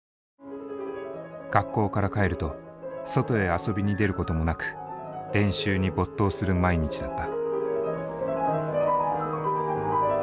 学校から帰ると外へ遊びに出ることもなく練習に没頭する毎日だった。